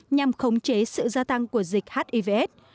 nhằm khống chế sự gia tăng của dịch hivs